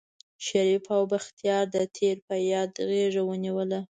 شريف او بختيار د تېر په ياد غېږه ونيوله.